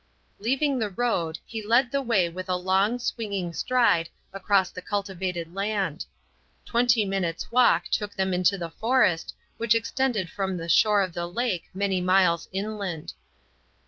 Leaving the road, he led the way with a long, swinging stride across the cultivated land. Twenty minutes' walk took them into the forest, which extended from the shore of the lake many miles inland.